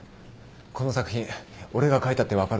この作品俺が書いたって分かるか？